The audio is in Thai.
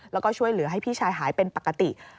แล้วก็ช่วยเหลือให้พี่ชายหายเป็นปกติ